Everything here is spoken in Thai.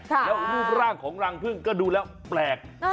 แล้วรูปร่างของรังพึ่งก็ดูแล้วแปลก